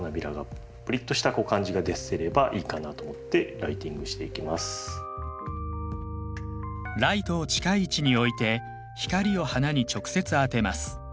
ポイントはライトを近い位置に置いて光を花に直接当てます。